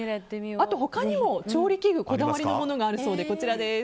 他にも、調理器具こだわりのものがあるそうです。